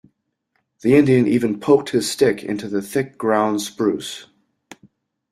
The Indian even poked his stick into the thick ground spruce.